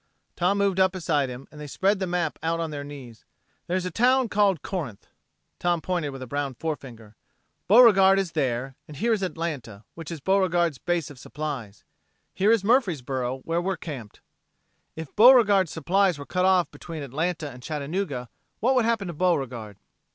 Tom moved up beside him and they spread the map out on their knees. "There's a town called Corinth." Tom pointed with a brown forefinger. "Beauregard is there. And here is Atlanta, which is Beauregard's base of supplies. Here is Murfreesboro where we're camped. If Beauregard's supplies were cut off between Atlanta and Chattanooga, what would happen to Beauregard?"